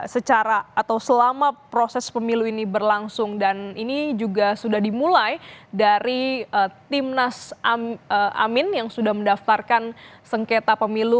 secara atau selama proses pemilu ini berlangsung dan ini juga sudah dimulai dari timnas amin yang sudah mendaftarkan sengketa pemilu